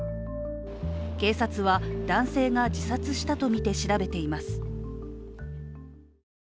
警察は男性が自殺したとみて調べています。